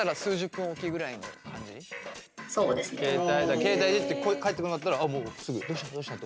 携帯いじって返ってこなかったらもうすぐどうしたどうしたって。